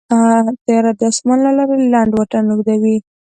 طیاره د اسمان له لارې لنډ واټن اوږدوي.